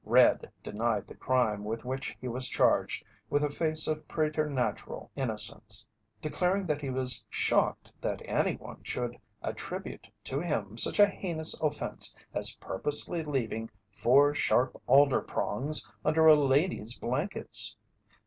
"Red" denied the crime with which he was charged with a face of preternatural innocence, declaring that he was shocked that any one should attribute to him such a heinous offence as purposely leaving four sharp alder prongs under a lady's blankets.